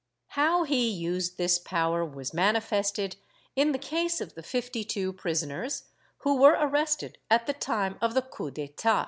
How he used this power was manifested in the case of the fifty two prisoners who were arrested at the time of the cowp d'etat.